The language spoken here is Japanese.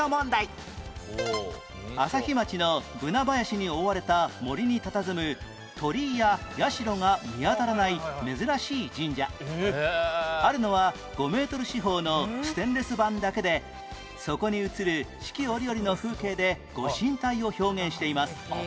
朝日町のブナ林に覆われた森にたたずむあるのは５メートル四方のステンレス板だけでそこに映る四季折々の風景で御神体を表現しています